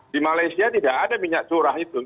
di malaysia tidak ada minyak curah itu